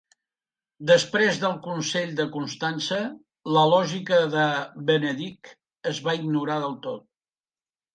Després del Consell de Constança, la lògica de Benedict es va ignorar del tot.